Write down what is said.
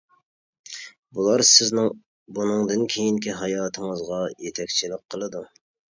بۇلار سىزنىڭ بۇنىڭدىن كېيىنكى ھاياتىڭىزغا يېتەكچىلىك قىلىدۇ.